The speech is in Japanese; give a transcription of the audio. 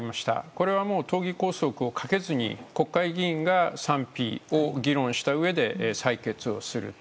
これはもう党議拘束をかけずに国会議員が賛否を議論したうえで採決をする。